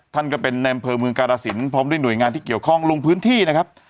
ท่านก็เป็นในอำเภอเมืองกาลสินพร้อมด้วยหน่วยงานที่เกี่ยวข้องลงพื้นที่นะครับ